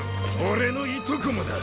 俺のいとこもだ。